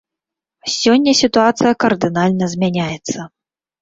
Сёння сітуацыя кардынальна змяняецца.